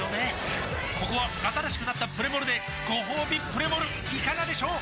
ここは新しくなったプレモルでごほうびプレモルいかがでしょう？